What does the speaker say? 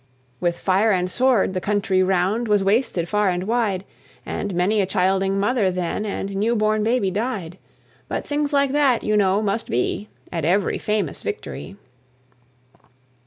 "With fire and sword the country round Was wasted far and wide; And many a childing mother then And new born baby died. But things like that, you know, must be At every famous victory.